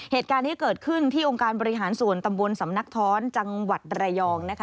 เหตุการณ์นี้เกิดขึ้นที่องค์การบริหารส่วนตำบลสำนักท้อนจังหวัดระยองนะคะ